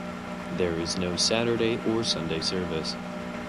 There is no Saturday or Sunday service.